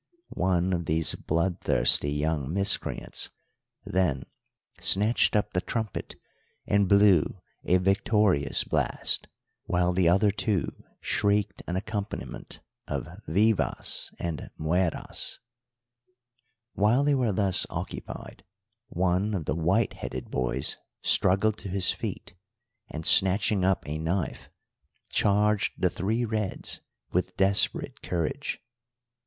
One of these bloodthirsty young miscreants then snatched up the trumpet and blew a victorious blast, while the other two shrieked an accompaniment of vivas and mueras. While they were thus occupied one of the white headed boys struggled to his feet, and, snatching up a knife, charged the three reds with desperate courage.